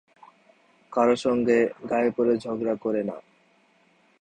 কারো সঙ্গে গায়ে পড়ে ঝগড়া করে না।